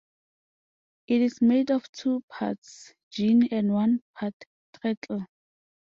It is made of two parts gin and one part treacle.